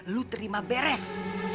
lu terima beres